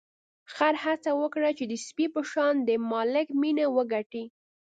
خر هڅه وکړه چې د سپي په شان د مالک مینه وګټي.